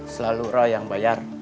selalu roy yang bayar